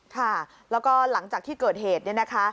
ค่ะแล้วก็หลังจากที่เกิดเหตุเนี่ยนะคะ